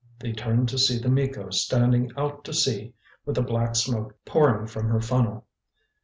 They turned to see The Miko standing out to sea, with the black smoke pouring from her funnel.